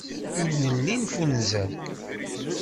Ur nelli neffunzer.